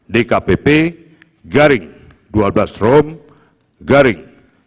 dkpp garis datar dua belas rom garing dua ribu dua puluh tiga